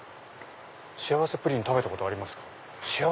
「幸せプリン食べたことありますか？」。